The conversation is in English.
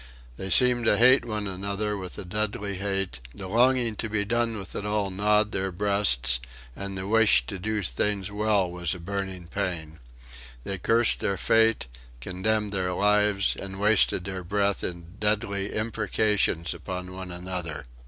They seemed to hate one another with a deadly hate, The longing to be done with it all gnawed their breasts, and the wish to do things well was a burning pain. They cursed their fate, contemned their life, and wasted their breath in deadly imprecations upon one another.